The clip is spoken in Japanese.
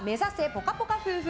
ぽかぽか夫婦！